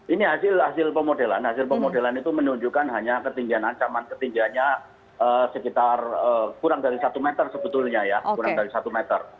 ini hasil pemodelan hasil pemodelan itu menunjukkan hanya ketinggian ancaman ketinggiannya sekitar kurang dari satu meter sebetulnya ya kurang dari satu meter